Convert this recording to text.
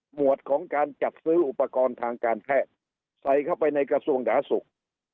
วดของการจัดซื้ออุปกรณ์ทางการแพทย์ใส่เข้าไปในกระทรวงสาธารณสุข